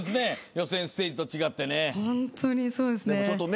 予選ステージと違ってね。